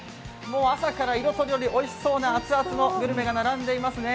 朝から色とりどり、おいしそうな熱々グルメが並んでますね。